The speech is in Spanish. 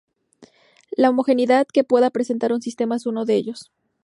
La homogeneidad que pueda presentar un sistema es uno de ellos.